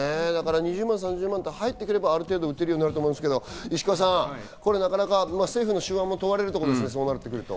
２０万、３０万と入ってくればある程度打てると思うんですけど石川さん、政府の手腕も問われるところですね。